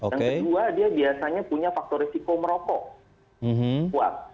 yang kedua dia biasanya punya faktor risiko merokok